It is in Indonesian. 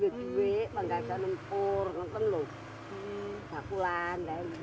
semangat bayi sembuh juga senang berjualan hari ini